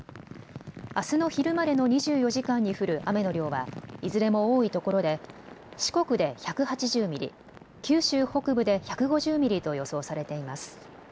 あすの昼までの２４時間に降る雨の量はいずれも多いところで四国で１８０ミリ、九州北部で１５０ミリと予想されています。